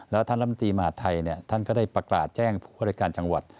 แล้วท่านรัฐมนตรีมหาดไทยเนี่ยท่านก็ได้ประกาศแจ้งผู้บริการจังหวัด